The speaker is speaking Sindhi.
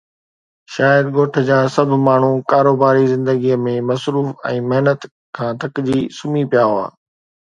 شايد ڳوٺ جا سڀ ماڻهو ڪاروباري زندگيءَ ۾ مصروف ۽ محنت کان ٿڪجي سمهي پيا هئا.